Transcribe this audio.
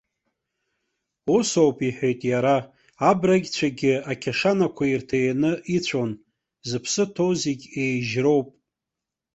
Ус ауп, иҳәеит иара, абрагьцәагьы ақьашанақәа ирҭаианы ицәон зыԥсы ҭоу зегь еижьроуп.